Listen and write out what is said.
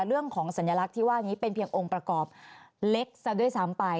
สัญลักษณ์ที่ว่านี้เป็นเพียงองค์ประกอบเล็กซะด้วยซ้ำไป